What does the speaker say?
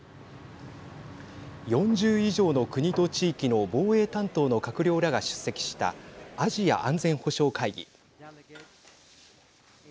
４０以上の国と地域の防衛担当の閣僚らが出席したアジア安全保障会議。